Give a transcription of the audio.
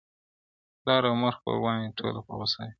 پلار او مور خپلوان یې ټوله په غصه وي-